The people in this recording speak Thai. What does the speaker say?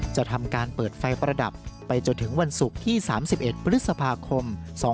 จะทำการเปิดไฟประดับไปจนถึงวันศุกร์ที่๓๑พฤษภาคม๒๕๖๒